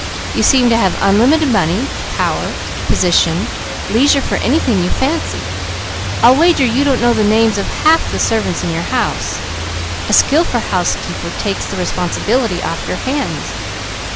You seem to have unlimited money, power, position, leisure for anything you fancy. I'll wager you don't know the names of half the servants in your house; a skillful housekeeper takes the responsibility off your hands.